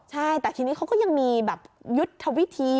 ใช่แต่ทีนี้เขาก็ยังมีแบบยุทธวิธี